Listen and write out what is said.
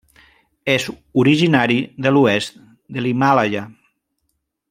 És originari de l'oest de l'Himàlaia.